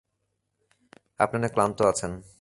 আপনি অনেক ক্লান্ত আছেন।